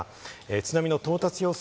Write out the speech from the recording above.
津波の到達予想